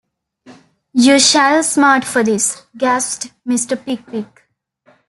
‘You shall smart for this,’ gasped Mr. Pickwick.